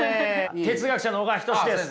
哲学者の小川仁志です。